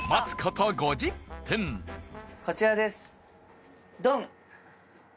こちらですドン！